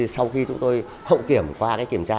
sau khi chúng tôi hậu kiểm qua kiểm tra